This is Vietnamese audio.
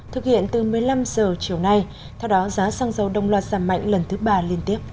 thực hiện từ một mươi năm h chiều nay theo đó giá xăng dầu đông loạt giảm mạnh lần thứ ba liên tiếp